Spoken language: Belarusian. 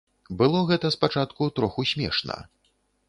Было гэта спачатку троху смешна.